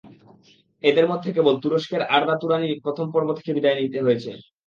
এঁদের মধ্যে কেবল তুরস্কের আরদা তুরানকেই প্রথম পর্ব থেকে বিদায় নিতে হয়েছে।